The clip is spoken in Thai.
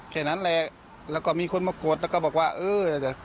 แค่นั้นแหละแล้วก็มีคนมาโกรธแล้วก็บอกว่าเออ